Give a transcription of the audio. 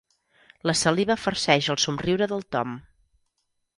La saliva farceix el somriure del Tom.